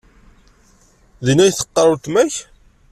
Din ay teqqar weltma-k?